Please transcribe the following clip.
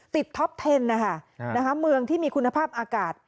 ท็อปเทนนะคะเมืองที่มีคุณภาพอากาศ